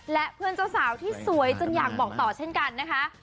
และเพื่อนเจ้าสาวที่สวยจนอยากบอกต่อเช่นกันนะคะ